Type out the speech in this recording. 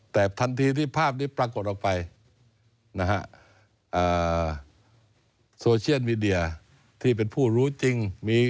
แต่ทันทีที่ภาพนี้ปรากฏออกไปนะฮะโซเชียลมีเดียที่เป็นผู้รู้จริง